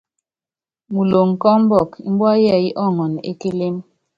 Muloŋ kɔ ɔmbɔk, mbua yɛɛyɛ́ ɔɔŋɔn e kélém.